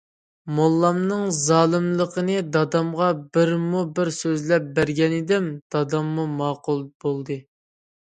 موللامنىڭ زالىملىقىنى دادامغا بىرمۇ بىر سۆزلەپ بەرگەنىدىم، داداممۇ ماقۇل بولدى.